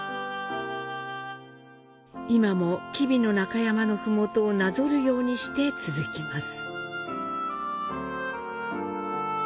今も吉備の中山の麓をなぞるようにして続きます。